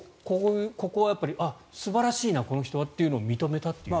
ここはやっぱり素晴らしいなこの人はというのを認めたという。